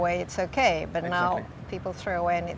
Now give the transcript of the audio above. tapi sekarang orang orang mengelewatinya